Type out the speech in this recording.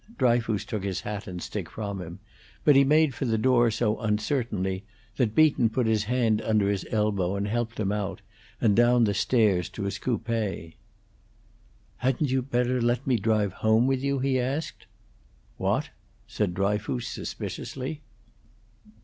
Dryfoos took his hat and stick from him, but he made for the door so uncertainly that Beaton put his hand under his elbow and helped him out, and down the stairs, to his coupe. "Hadn't you better let me drive home with you?" he asked. "What?" said Dryfoos, suspiciously.